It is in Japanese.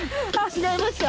違いました？